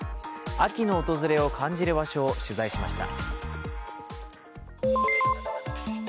秋の訪れを感じる場所を取材しました。